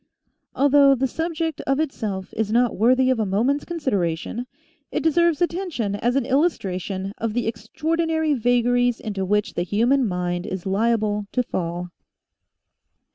Although the subject, of itself, is not worthy of a mo ment's consideration, it deserves attention as an illustration of the extraordinary vagaries into which the human mind is liable to fall.